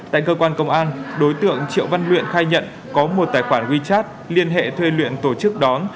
tại cơ quan công an đối tượng triệu văn luyện khai nhận có một tài khoản wechat liên hệ thuê luyện tổ chức đón